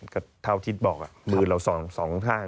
แบบที่บอกมือเรา๒ทาง